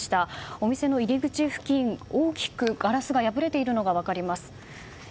お店の入り口付近大きくガラスが破れているのが分かります。